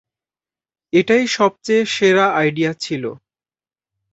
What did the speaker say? এটাই সবচে সেরা আইডিয়া ছিল।